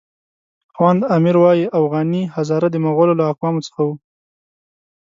خواند امیر وایي اوغاني هزاره د مغولو له اقوامو څخه وو.